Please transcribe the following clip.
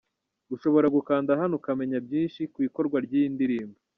Ushobora gukanda hano ukamenya byinshi ku ikorwa ry’iyi ndirimbo.